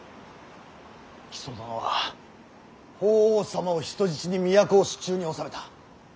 木曽殿は法皇様を人質に都を手中に収めた。